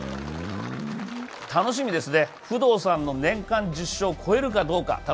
楽しみですね、不動さんの年間１０勝を超えるかどうか。